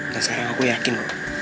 dan sekarang aku yakin